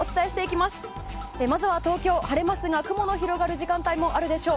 まずは東京晴れますが雲の広がる時間帯もあるでしょう。